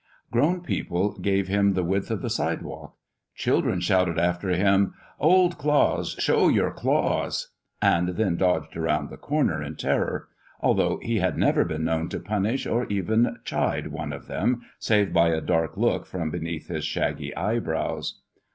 Grown people gave him the width of the sidewalk; children shouted after him, "Old Claus, Show your claws!" and then dodged around the corner in terror, although he had never been known to punish or even chide one of them, save by a dark look from beneath his shaggy eyebrows.